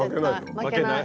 負けない。